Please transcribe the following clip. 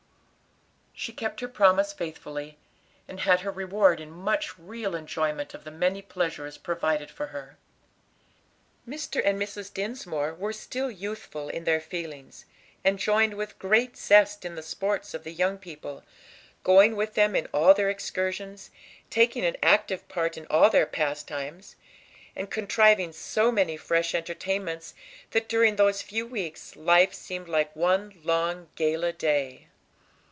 She kept her promise faithfully, and had her reward in much real enjoyment of the many pleasures provided for her. Mr. and Mrs. Dinsmore were still youthful in their feelings, and joined with great zest in the sports of the young people, going with them in all their excursions, taking an active part in all their pastimes, and contriving so many fresh entertainments, that during those few weeks life seemed like one long gala day.